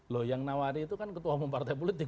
loh yang nawari itu kan ketua umum partai politik